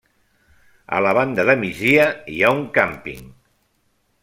A la banda de migdia hi ha un càmping.